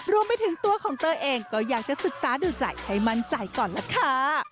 รวมไปถึงตัวของเตยเองก็อยากจะศึกษาดูใจให้มั่นใจก่อนล่ะค่ะ